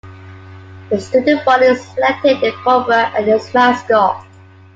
The student body selected the Cobra as its mascot.